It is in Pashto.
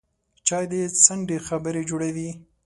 چای د څنډې خبرې جوړوي